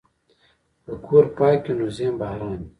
که کور پاک وي، نو ذهن به ارام وي.